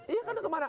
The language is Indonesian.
iya kan kemana